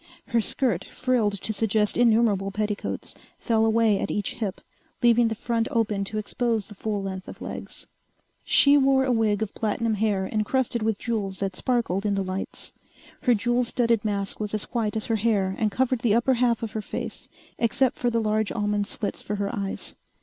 Her skirt, frilled to suggest innumerable petticoats, fell away at each hip, leaving the front open to expose the full length of legs. She wore a wig of platinum hair encrusted with jewels that sparkled in the lights. Her jewel studded mask was as white as her hair and covered the upper half of her face, except for the large almond slits for her eyes.